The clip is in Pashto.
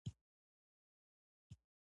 ولاکه مې د لاسه کیږي.